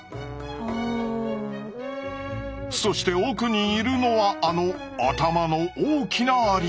そして奥にいるのはあの頭の大きなアリ。